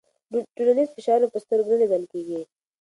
ټولنیز فشارونه په سترګو نه لیدل کېږي.